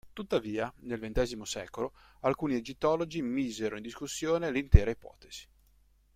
Tuttavia, nel ventesimo secolo, alcuni egittologi misero in discussione l'intera ipotesi.